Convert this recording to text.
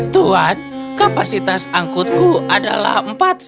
tuhan kapasitas angkutku adalah empat sak